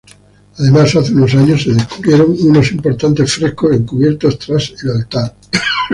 Además, hace unos años se descubrieron unos importantes frescos encubiertos tras el altar.